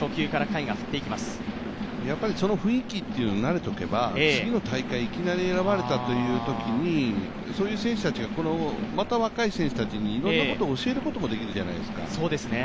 その雰囲気というのになれておけば次の大会、いきなり選ばれた場合、そういう選手たちが、また若い選手たちにいろんなことを教えることができるじゃないですか。